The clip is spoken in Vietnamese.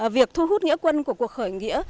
việc thu hút nghĩa quân của cuộc khởi nghĩa